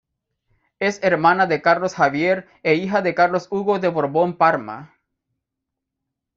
Es hermana de Carlos Javier e hija de Carlos Hugo de Borbón-Parma.